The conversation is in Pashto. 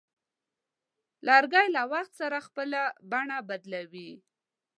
لرګی له وخت سره خپل بڼه بدلوي.